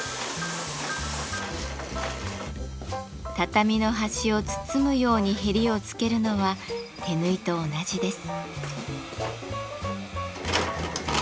畳の端を包むようにへりを付けるのは手縫いと同じです。